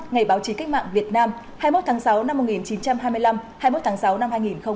ngày báo chí cách mạng việt nam hai mươi một tháng sáu năm một nghìn chín trăm hai mươi năm hai mươi một tháng sáu năm hai nghìn hai mươi